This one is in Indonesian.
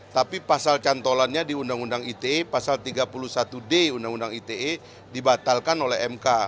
tapi pasal cantolannya di undang undang ite pasal tiga puluh satu d undang undang ite dibatalkan oleh mk